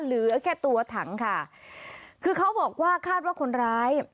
เหลือแค่ตัวถังค่ะคือเขาบอกว่าคาดว่าคนร้าย